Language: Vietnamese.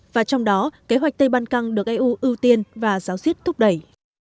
và trong đó kế hoạch tây ban căng được eu ưu tiên và giáo diết thúc đẩy